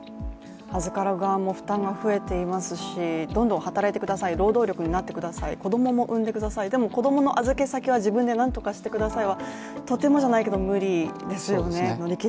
預かる側も負担が増えていますしどんどん働いてください、労働力になってください、子供も産んでください、でも子供の預け先は自分でなんとかしてくださいはとてもじゃないけど、無理ですよね。